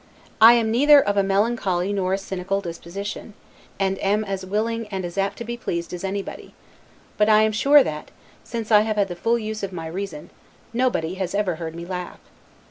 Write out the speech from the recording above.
I am neither of a melancholy nor a cynical disposition, and am as willing and as apt to be pleased as anybody; but I am sure that, since I have had the full use of my reason, nobody has ever heard me laugh.